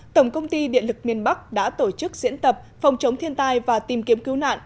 tổng công ty điện lực miền bắc đã tổ chức diễn tập phòng chống thiên tai và tìm kiếm cứu nạn